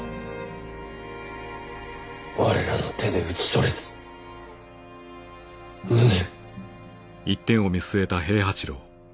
我らの手で討ち取れず無念。